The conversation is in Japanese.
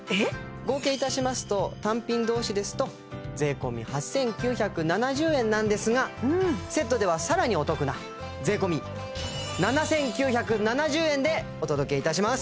合計いたしますと単品同士ですと税込８９７０円なんですがセットでは更にお得なでお届けいたします